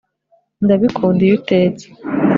Ndabikunda iyo utetse